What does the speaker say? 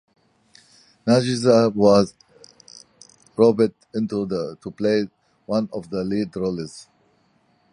Nanditha Raj was roped in to play one of the lead roles.